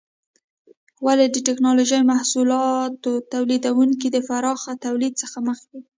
ولې د ټېکنالوجۍ محصولاتو تولیدونکي د پراخه تولید څخه مخکې؟